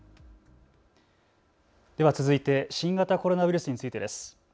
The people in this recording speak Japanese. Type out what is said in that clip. では続いて新型コロナウイルスについてです。